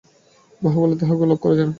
বাহুবলেও তাঁহাকে লাভ করা যায় না।